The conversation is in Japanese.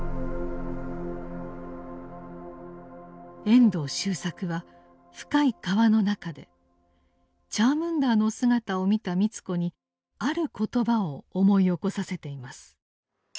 遠藤周作は「深い河」の中でチャームンダーの姿を見た美津子にある言葉を思い起こさせています。